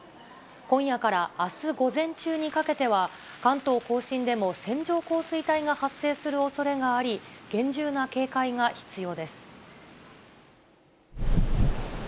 今夜からあす午前中にかけては、関東甲信でも線状降水帯が発生するおそれがあり、厳重な警戒が必要です。